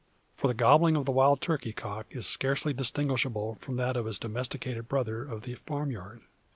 For the gobbling of the wild turkey cock is scarcely distinguishable from that of his domesticated brother of the farm yard.